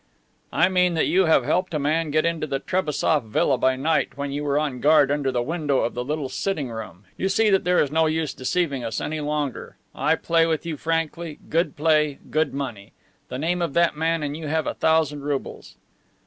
"I mean that you have helped a man get into the Trebassof villa by night when you were on guard under the window of the little sitting room. You see that there is no use deceiving us any longer. I play with you frankly, good play, good money. The name of that man, and you have a thousand roubles."